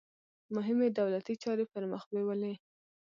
مهمې دولتي چارې پرمخ بیولې.